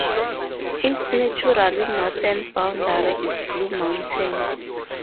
Its natural northern boundary is Blue Mountain.